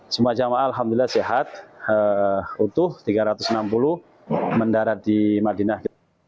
semua jemaah alhamdulillah sehat utuh tiga ratus enam puluh mendarat di madinah